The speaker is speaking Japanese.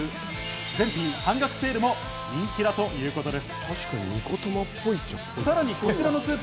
全品半額セールも人気だということです。